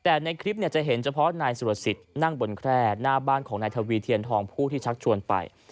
แต่ในคลิปจะเห็นเฉพาะนายสุรสิทธิ์นั่งบนแคร่หน้าบ้านของนายทวีเทียนทองผู้ที่ชักชวนไป